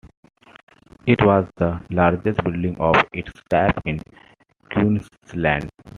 It was the largest building of its type in Queensland.